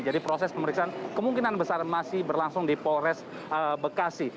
jadi proses pemeriksaan kemungkinan besar masih berlangsung di polres bekasi